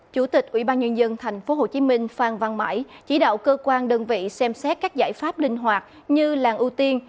chủ tịch ubnd tp hcm phan văn mãi chỉ đạo cơ quan đơn vị xem xét các giải pháp linh hoạt như làng ưu tiên